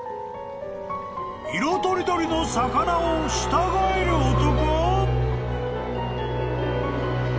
［色とりどりの魚を従える男！？］